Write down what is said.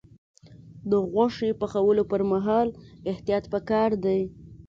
د غوښې پخولو پر مهال احتیاط پکار دی.